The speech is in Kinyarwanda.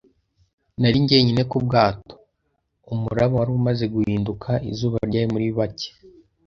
Nari jyenyine ku bwato; umuraba wari umaze guhinduka. Izuba ryari muri bake